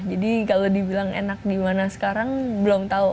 jadi kalau dibilang enak di mana sekarang belum tahu